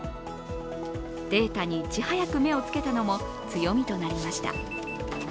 データにいち早く目をつけたのも強みとなりました。